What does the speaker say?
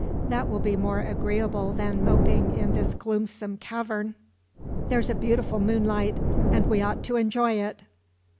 That will be more agreeable than moping in this gloomsome cavern. There's a beautiful moonlight, and we ought to enjoy it."